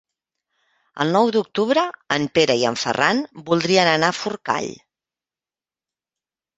El nou d'octubre en Pere i en Ferran voldrien anar a Forcall.